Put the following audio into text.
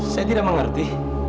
saya tidak mengerti